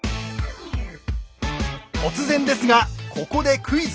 突然ですがここでクイズです。